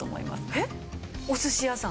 えっ？お寿司屋さん。